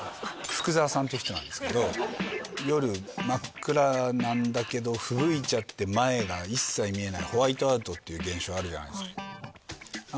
福澤さんっていう人なんですけど夜真っ暗なんだけどふぶいちゃって前が一切見えないホワイトアウトっていう現象あるじゃないですかあっ